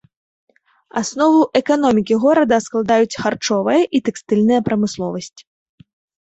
Аснову эканомікі горада складаюць харчовая і тэкстыльная прамысловасць.